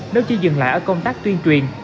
nếu chỉ dừng lại ở công tác tuyên truyền